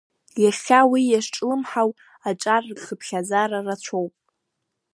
Иахьа уи иазҿлымҳау аҿар рхыԥхьаӡара рацәоуп.